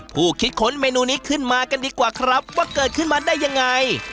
คิดค้นเมนูนี้ขึ้นมากันดีกว่าครับว่าเกิดขึ้นมาได้ยังไง